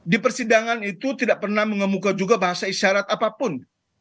di persidangan itu tidak pernah mengemuka juga bahasa isyarat apapun